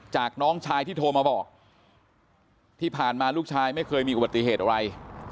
น้องชายที่โทรมาบอกที่ผ่านมาลูกชายไม่เคยมีอุบัติเหตุอะไร